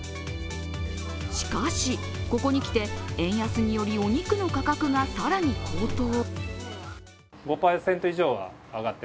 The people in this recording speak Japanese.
しかし、ここにきて円安によりお肉の価格が更に高騰。